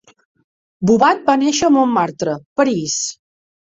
Boubat va néixer a Montmartre, París.